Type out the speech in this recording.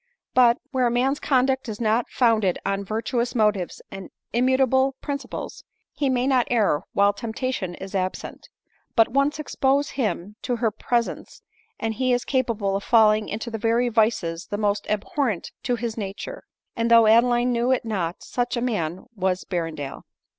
But, where a man's conduct is not founded on virtuous motives and immutable principles, he may not err while temptation is absent ; but once expose him to her pres ence, and he is capable of felling into the very vices the most abhorrent to his nature ; and though Adeline knew it not, such a man was Berrendale.